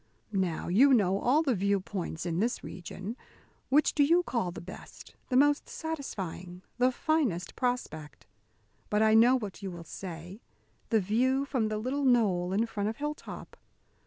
Now, you know all the view points in this region. Which do you call the best, the most satisfying, the finest prospect? But I know what you will say: the view from the little knoll in front of Hilltop.